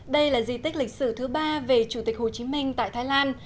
đây là di tích lịch sử thứ ba về chủ tịch hồ chí minh tại thái lan